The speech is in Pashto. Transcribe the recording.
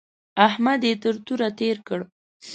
احمد يې تر توره تېر کړ.